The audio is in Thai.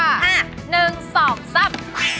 หนึ่งสองสาม